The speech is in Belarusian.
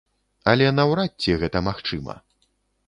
Але наўрад ці гэта магчыма.